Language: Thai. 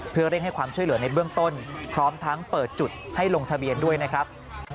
เพื่อเร่งให้ความช่วยเหลือในเบื้องต้นพร้อมทั้งเปิดจุดให้ลงทะเบียนด้วยนะครับ